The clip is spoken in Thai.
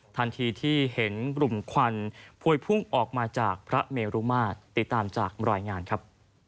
ทันทีที่เห็นกลุ่มควันพวยพุ่งออกมาจากพระเมรุมาตรติดตามจากรายงานครับ